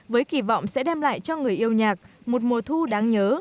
với kỳ vọng sẽ đem lại cho người yêu nhạc một mùa thu đáng nhớ